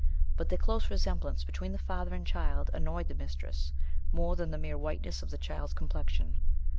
But the close resemblance between the father and child annoyed the mistress more than the mere whiteness of the child's complexion.